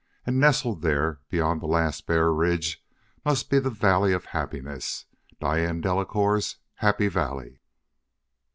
And nestled there, beyond that last bare ridge, must be the valley of happiness, Diane Delacouer's "Happy Valley."